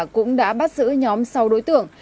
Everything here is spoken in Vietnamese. cũng đã bắt giữ nhóm sáu đối tượng